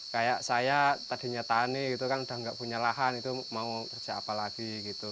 kayak saya tadinya tani udah nggak punya lahan mau kerja apa lagi